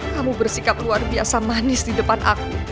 kamu bersikap luar biasa manis di depan aku